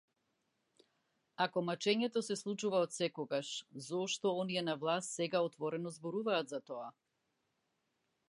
Ако мачењето се случува отсекогаш, зошто оние на власт сега отворено зборуваат за тоа?